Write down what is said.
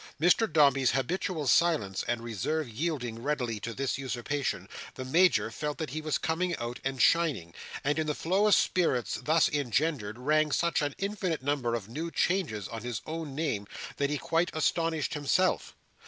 Mr Dombey's habitual silence and reserve yielding readily to this usurpation, the Major felt that he was coming out and shining: and in the flow of spirits thus engendered, rang such an infinite number of new changes on his own name that he quite astonished himself.